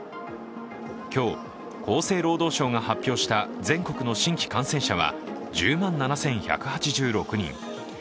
今日、厚生労働省が発表した全国の新規感染者は１０万７１８６人。